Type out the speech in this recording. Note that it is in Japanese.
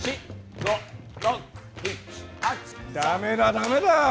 ダメだダメだ。